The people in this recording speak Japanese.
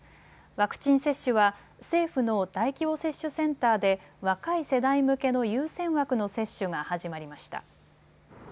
ワクチン接種は政府の大規模接種センターで若い世代向けの優先枠の接種が始まりました。